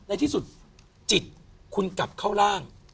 ในที่สุดจิตคุณกลับเข้าร่าง